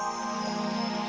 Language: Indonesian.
jangan lupa untuk berhenti